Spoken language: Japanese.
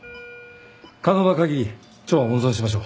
可能な限り腸は温存しましょう。